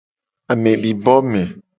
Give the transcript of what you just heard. Amedibome.